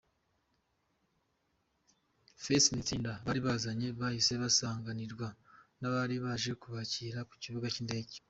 Face n'itsinda bari bazanye bahise basanganirwa nabari baje kubakira ku kibuga cy'indege.